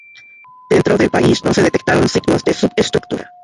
Dentro del país, no se detectaron signos de subestructura.